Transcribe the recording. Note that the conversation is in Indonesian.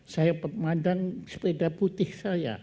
saya pemandang sepeda putih saya